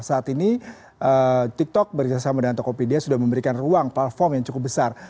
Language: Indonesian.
saat ini tiktok bersama dengan tokopedia sudah memberikan ruang platform yang cukup besar